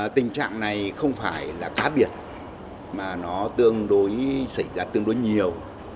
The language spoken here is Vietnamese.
tình trạng này không phải là cá biệt mà nó xảy ra tương đối nhiều